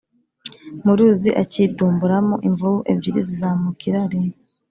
muruzi acyidumbura mo imvubu ebyiri zizamukira rimwe